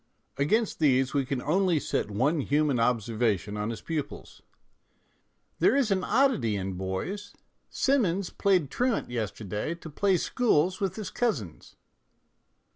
Against these we can only set one human observation on his pupils :" There is an oddity in boys : Simmons played truant yesterday to play schools with his cousins."